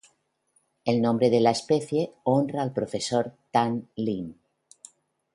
El nombre de la especie honra al profesor Tan Lin.